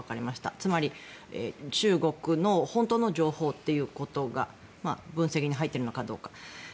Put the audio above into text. つまり中国の本当の情報ということが分析に入っているのかどうか。